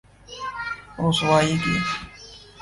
رسوائی کی‘‘۔